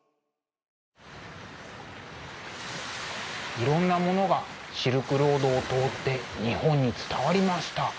いろんなものがシルクロードを通って日本に伝わりました。